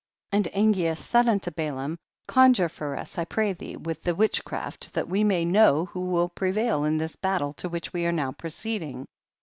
9. And Angeas said unto Balaam, conjure for us, I pray thee, with the witchcraft, that we may know who will prevail in this battle to which we are now proceedmg.